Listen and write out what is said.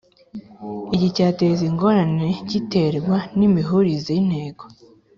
Iki cyateza ingorane giterwa n imihurize y intego